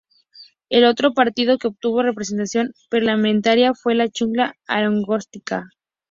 El otro partido que obtuvo representación parlamentaria fue la Chunta Aragonesista.